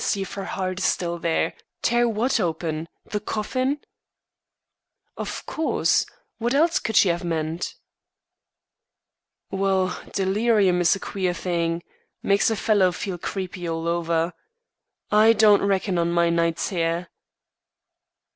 See if her heart is there?' Tear what open? the coffin?" "Of course. What else could she have meant?" "Well! delirium is a queer thing; makes a fellow feel creepy all over. I don't reckon on my nights here."